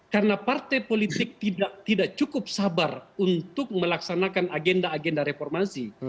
karena partai politik tidak cukup sabar untuk melaksanakan agenda agenda reformasi